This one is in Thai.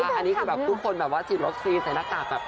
อันนี้คือแบบทุกคนแบบว่าฉีดวัคซีนใส่หน้ากากแบบ